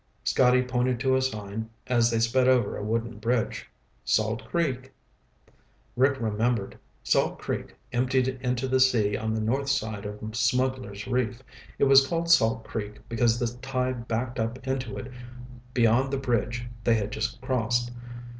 Scotty pointed to a sign as they sped over a wooden bridge. "Salt Creek." Rick remembered. Salt Creek emptied into the sea on the north side of Smugglers' Reef. It was called Salt Creek because the tide backed up into it beyond the bridge they had just crossed.